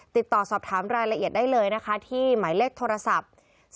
ติดต่อสอบถามรายละเอียดได้เลยนะคะที่หมายเลขโทรศัพท์